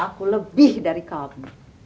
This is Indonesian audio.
aku lebih dari kamu